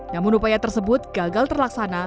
namun upaya tersebut gagal terlaksana